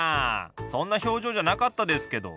そんな表情じゃなかったですけど。